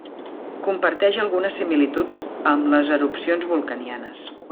Comparteix algunes similituds amb les erupcions Vulcanianes.